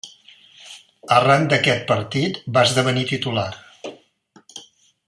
Arran d'aquest partit va esdevenir titular.